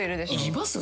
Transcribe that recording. います？